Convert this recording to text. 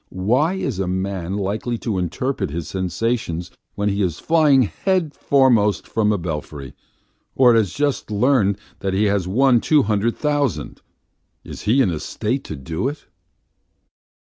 Why, is a man likely to interpret his sensations when he is flying head foremost from a belfry, or has just learned that he has won two hundred thousand? Is he in a state to do it?"